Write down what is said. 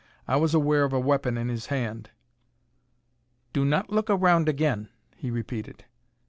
I was aware of a weapon in his hand. "Do not look around again," he repeated.